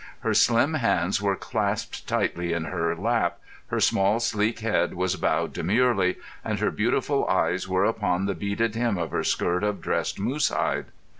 Her slim hands were clasped tightly in her lap, her small, sleek head was bowed demurely, and her beautiful eyes were upon the beaded hem of her skirt of dressed moosehide.